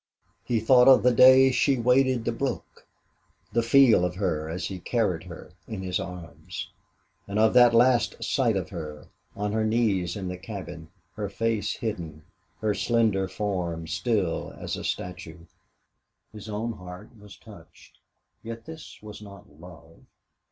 He thought of the day she waded the brook, the feel of her as he carried her in his arms; and of that last sight of her, on her knees in the cabin, her face hidden, her slender form still as a statue. His own heart was touched. Yet this was not love.